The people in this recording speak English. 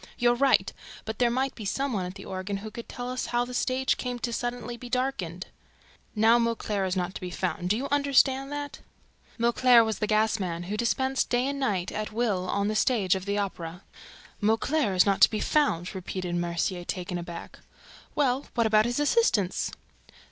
"You're right! But there might be some one at the organ who could tell us how the stage came to be suddenly darkened. Now Mauclair is nowhere to be found. Do you understand that?" Mauclair was the gas man, who dispensed day and night at will on the stage of the Opera. "Mauclair is not to be found!" repeated Mercier, taken aback. "Well, what about his assistants?"